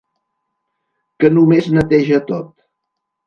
Que només neteja tot?